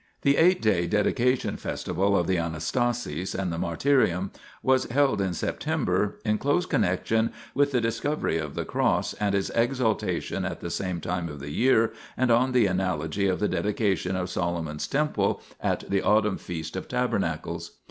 The (eight day) Dedication festival of the Ana stasis and the Martyrium was held in September, in close connexion with the Discovery of the Cross and its Exaltation at the same time of the year and on the analogy of the Dedication of Solomon's Temple at the (autumn) Feast of Tabernacles.